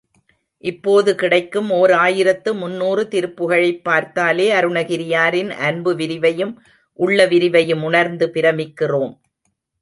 இப்போது கிடைக்கும் ஓர் ஆயிரத்து முன்னூறு திருப்புகழைப் பார்த்தாலே அருணகிரியாரின் அன்பு விரிவையும் உள்ள விரிவையும் உணர்ந்து பிரமிக்கிறோம்.